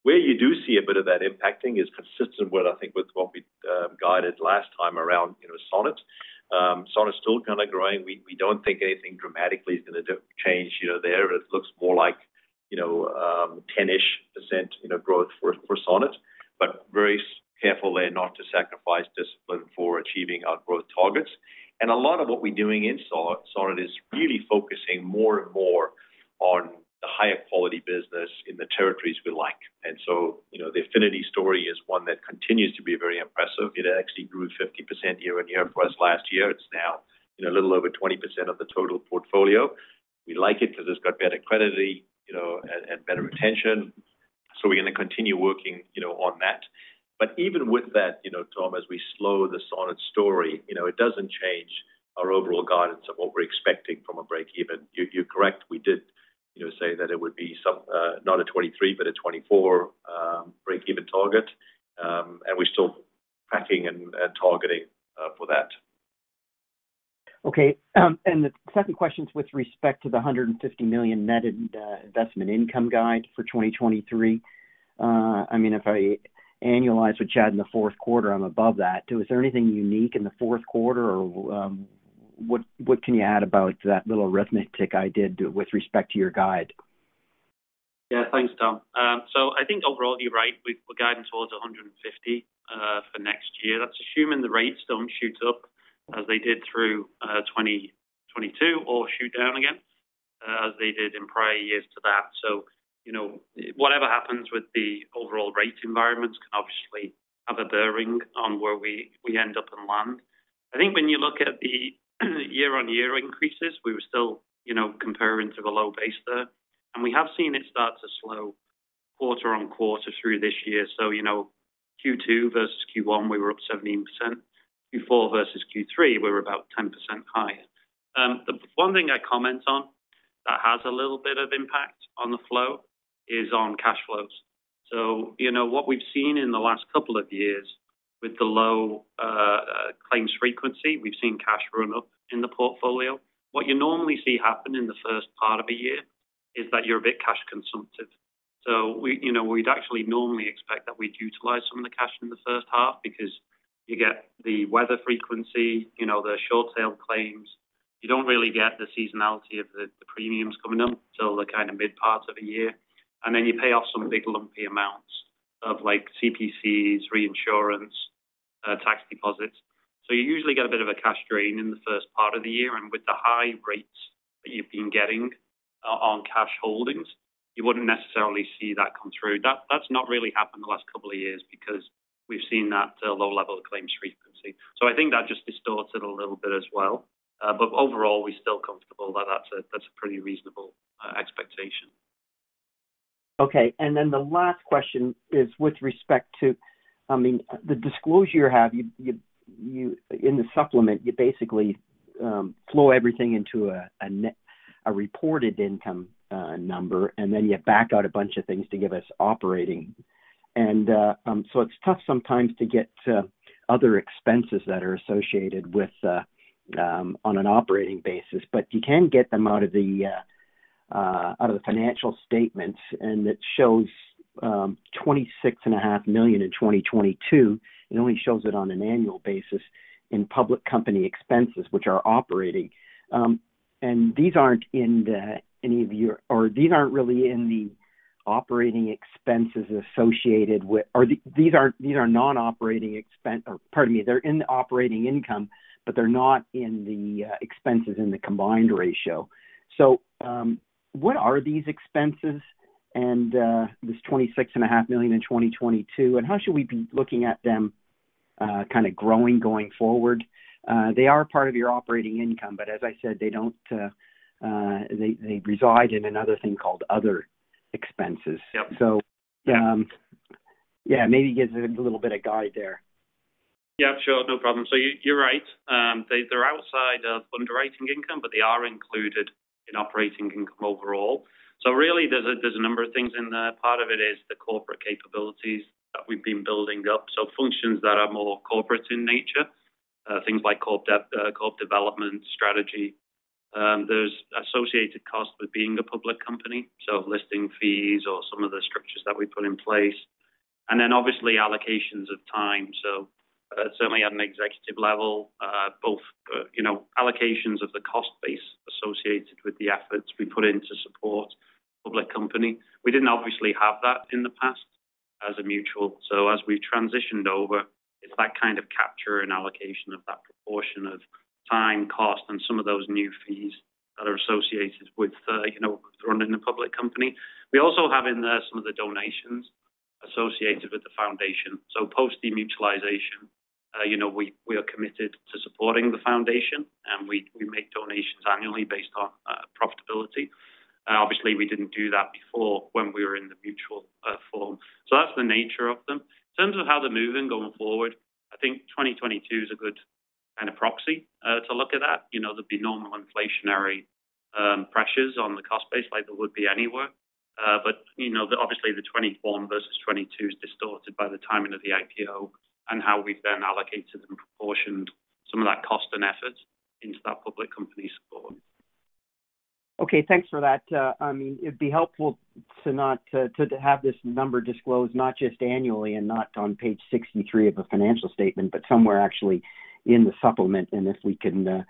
Where you do see a bit of that impacting is consistent with, I think, with what we guided last time around, you know, Sonnet. Sonnet's still kinda growing. We don't think anything dramatically is gonna change, you know, there. It looks more like, you know, 10-ish% growth for Sonnet, but very careful there not to sacrifice discipline for achieving our growth targets. A lot of what we're doing in Sonnet is really focusing more and more on the higher quality business in the territories we like. You know, the Affinity story is one that continues to be very impressive. It actually grew 50% year-over-year for us last year. It's now, you know, a little over 20% of the total portfolio. We like it because it's got better credibility, you know, and better retention. We're gonna continue working, you know, on that. Even with that, you know, Tom, as we slow the solid story, you know, it doesn't change our overall guidance of what we're expecting from a break-even. You're correct. We did, you know, say that it would be some, not a 2023, but a 2024 break-even target. We're still tracking and targeting for that. Okay. The second question is with respect to the 150 million net investment income guide for 2023. I mean, if I annualize what you had in the fourth quarter, I'm above that. Is there anything unique in the fourth quarter or, what can you add about that little arithmetic I did with respect to your guide? Yeah. Thanks, Tom. I think overall you're right. We're guiding towards 150 for next year. That's assuming the rates don't shoot up as they did through 2022 or shoot down again as they did in prior years to that. You know, whatever happens with the overall rate environments can obviously have a bearing on where we end up in land. I think when you look at the year-over-year increases, we were still, you know, comparing to the low base there. We have seen it start to slow quarter-over-quarter through this year. You know, Q2 versus Q1, we were up 17%. Q4 versus Q3, we were about 10% higher. The one thing I comment on that has a little bit of impact on the flow is on cash flows. you know, what we've seen in the last couple of years with the low claims frequency, we've seen cash run up in the portfolio. What you normally see happen in the first part of a year is that you're a bit cash consumptive. we'd actually normally expect that we'd utilize some of the cash in the first half because you get the weather frequency, you know, the short tail claims. You don't really get the seasonality of the premiums coming up till the kinda mid part of a year. you pay off some big lumpy amounts of, like, CPCs, reinsurance, tax deposits. you usually get a bit of a cash drain in the first part of the year. with the high rates that you've been getting on cash holdings, you wouldn't necessarily see that come through. That's not really happened the last couple of years because we've seen that low level of claims frequency. I think that just distorts it a little bit as well. Overall, we're still comfortable that that's a pretty reasonable expectation. Okay. The last question is with respect to, I mean, the disclosure you have, you in the supplement, you basically flow everything into a net reported income number, and then you back out a bunch of things to give us operating. So it's tough sometimes to get to other expenses that are associated with the on an operating basis. But you can get them out of the financial statements, and it shows 26 and a half million in 2022. It only shows it on an annual basis in public company expenses, which are operating. These aren't really in the operating expenses associated with... Or these are non-operating expense. Pardon me, they're in the operating income, but they're not in the expenses in the combined ratio. What are these expenses and this 26.5 million in 2022, and how should we be looking at them, kind of growing going forward? They are part of your operating income, but as I said, they don't, they reside in another thing called other expenses. Yep. Yeah, maybe give us a little bit of guide there. Yeah, sure. No problem. You, you're right. They're outside of underwriting income, but they are included in operating income overall. Really there's a number of things in there. Part of it is the corporate capabilities that we've been building up, so functions that are more corporate in nature, things like corp development strategy. There's associated costs with being a public company, so listing fees or some of the structures that we put in place. Obviously allocations of time. Certainly at an executive level, both, you know, allocations of the cost base associated with the efforts we put in to support public company. We didn't obviously have that in the past as a mutual. As we transitioned over, it's that kind of capture and allocation of that proportion of time, cost, and some of those new fees that are associated with, you know, running a public company. We also have in there some of the donations associated with the foundation. Post demutualization, you know, we are committed to supporting the foundation, and we make donations annually based on profitability. Obviously we didn't do that before when we were in the mutual form. That's the nature of them. In terms of how they're moving going forward, I think 2022 is a good kinda proxy to look at that. You know, there'd be normal inflationary pressures on the cost base like there would be anywhere. You know, the, obviously the 21 versus 22 is distorted by the timing of the IPO and how we've then allocated and proportioned some of that cost and effort into that public company support. Okay. Thanks for that. I mean, it'd be helpful to not to have this number disclosed not just annually and not on page 63 of a financial statement, but somewhere actually in the supplement. If we can,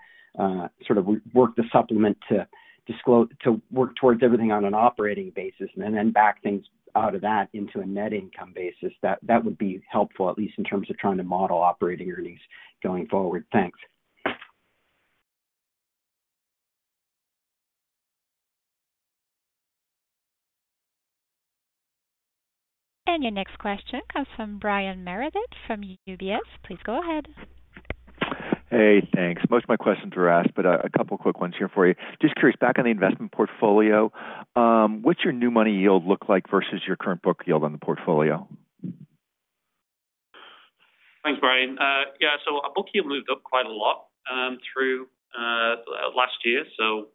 sort of work the supplement to disclose, to work towards everything on an operating basis and then back things out of that into a net income basis, that would be helpful, at least in terms of trying to model operating earnings going forward. Thanks. Your next question comes from Brian Meredith from UBS. Please go ahead. Hey, thanks. Most of my questions were asked, but a couple quick ones here for you. Just curious, back on the investment portfolio, what's your new money yield look like versus your current book yield on the portfolio? Thanks, Brian. Yeah, our book yield moved up quite a lot through last year.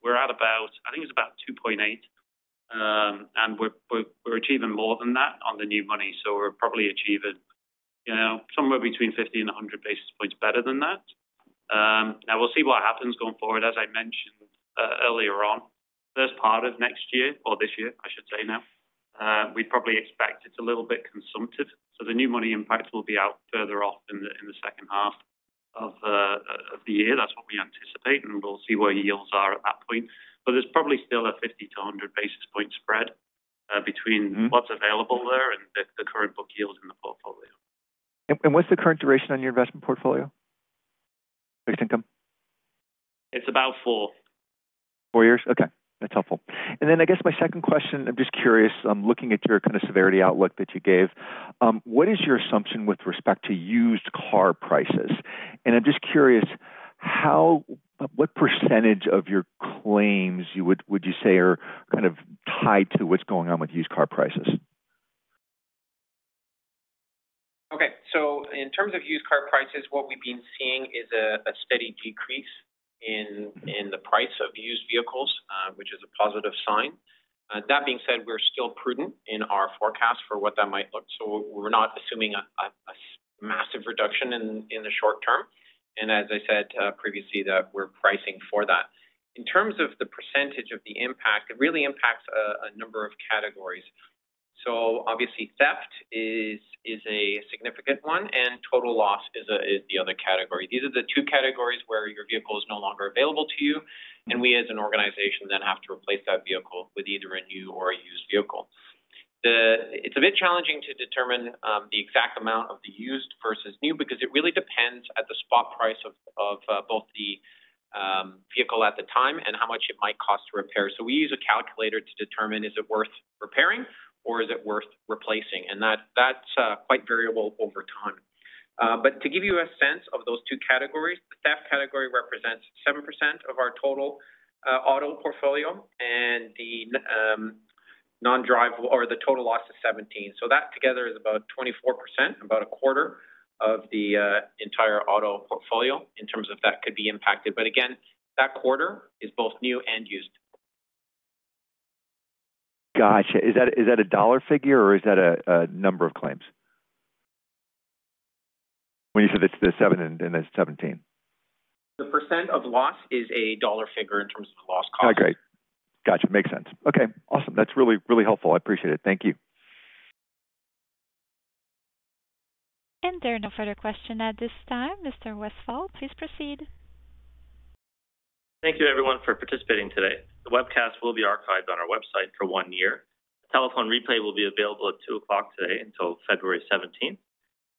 We're at about I think it's about 2.8, and we're achieving more than that on the new money, we're probably achieving, you know, somewhere between 50 and 100 basis points better than that. We'll see what happens going forward. As I mentioned earlier on, first part of next year or this year, I should say now, we probably expect it's a little bit consumptive, the new money impact will be out further off in the second half of the year. That's what we anticipate, we'll see where yields are at that point. There's probably still a 50 to 100 basis point spread between- Mm-hmm what's available there and the current book yields in the portfolio. What's the current duration on your investment portfolio? Based income. It's about four. Four years? Okay, that's helpful. I guess my second question, I'm just curious, I'm looking at your kind of severity outlook that you gave, what is your assumption with respect to used car prices? I'm just curious, what % of your claims you would say are kind of tied to what's going on with used car prices? In terms of used car prices, what we've been seeing is a steady decrease in the price of used vehicles, which is a positive sign. That being said, we're still prudent in our forecast for what that might look. We're not assuming a massive reduction in the short term. As I said, previously, that we're pricing for that. In terms of the percentage of the impact, it really impacts a number of categories. Obviously, theft is a significant one, and total loss is the other category. These are the two categories where your vehicle is no longer available to you, and we as an organization then have to replace that vehicle with either a new or a used vehicle. It's a bit challenging to determine the exact amount of the used versus new because it really depends at the spot price of both the vehicle at the time and how much it might cost to repair. We use a calculator to determine is it worth repairing or is it worth replacing? That's quite variable over time. But to give you a sense of those two categories, the theft category represents 7% of our total auto portfolio, and the non-drivable or the total loss is 17. That together is about 24%, about a quarter of the entire auto portfolio in terms of that could be impacted. Again, that quarter is both new and used. Gotcha. Is that a dollar figure or is that a number of claims? When you said it's the seven and it's 17. The % of loss is a dollar figure in terms of the loss cost. Gotcha. Makes sense. Awesome. That's really, really helpful. I appreciate it. Thank you. There are no further question at this time. Mr. Westfall, please proceed. Thank you everyone for participating today. The webcast will be archived on our website for one year. Telephone replay will be available at 2:00 P.M. today until February 17th.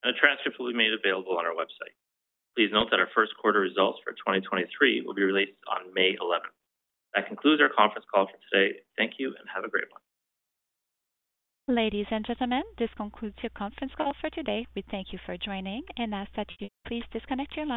A transcript will be made available on our website. Please note that our first quarter results for 2023 will be released on May 11th. That concludes our conference call for today. Thank you and have a great one. Ladies and gentlemen, this concludes your conference call for today. We thank you for joining and ask that you please disconnect your line.